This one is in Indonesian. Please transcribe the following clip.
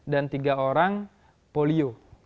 dan tiga orang polio